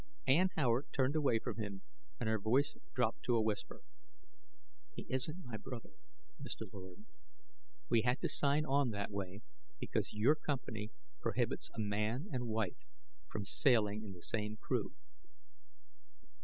Ann Howard turned away from him and her voice dropped to a whisper. "He isn't my brother, Mr. Lord. We had to sign on that way because your company prohibits a man and wife sailing in the same crew."